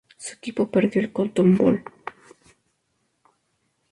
Su equipo perdió el Cotton Bowl.